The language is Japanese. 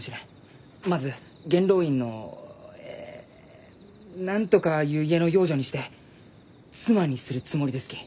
まず元老院のえ何とかゆう家の養女にして妻にするつもりですき。